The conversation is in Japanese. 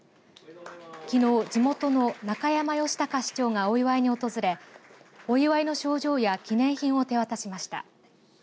きのう地元の中山義隆市長がお祝いに訪れお祝いの賞状や記念品を手渡しました。